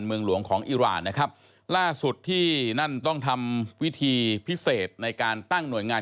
เมืองหลวงของอิราณนะครับล่าสุดที่นั่นต้องทำวิธีพิเศษในการตั้งหน่วยงาน